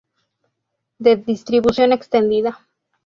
De distribución extendida.